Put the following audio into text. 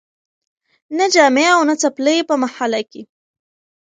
نه جامې او نه څپلۍ په محله کي